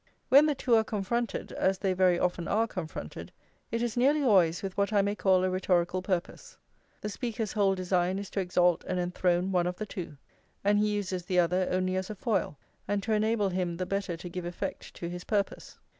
When the two are confronted, as they very often are confronted, it is nearly always with what I may call a rhetorical purpose; the speaker's whole design is to exalt and enthrone one of the two, and he uses the other only as a foil and to enable him the better to give effect to his purpose.